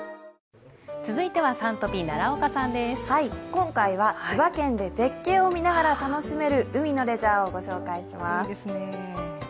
今回は千葉県で絶景を見ながら楽しめる海のレジャーをご紹介します。